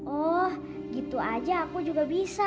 oh gitu aja aku juga bisa